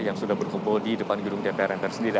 yang sudah berkumpul di depan gedung dprm dan persendirian